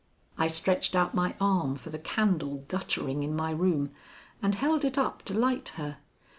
I stretched out my arm for the candle guttering in my room and held it up to light her.